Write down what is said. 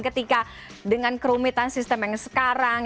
ketika dengan kerumitan sistem yang sekarang